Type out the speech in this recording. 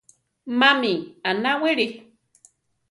Mami anáwili?